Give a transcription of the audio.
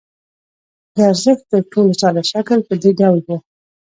د ارزښت تر ټولو ساده شکل په دې ډول وو